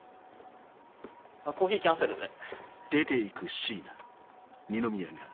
あコーヒーキャンセルで。